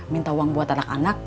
minta uang buat anak anak